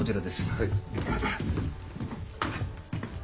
はい。